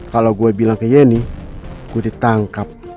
kalau gue bilang ke yeni gue ditangkap